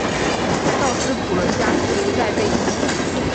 道斯普伦加斯不再被提及。